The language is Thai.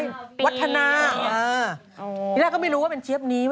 ทีแรกเราก็ไม่รู้ว่าเป็นเจี๊ยบนี้ไว้